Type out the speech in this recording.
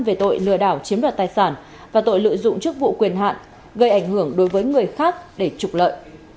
về tội lừa đảo chiếm đoạt tài sản và tội lợi dụng chức vụ quyền hạn gây ảnh hưởng đối với người khác để trục lợi